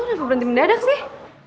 lo kenapa berhenti mendadak sih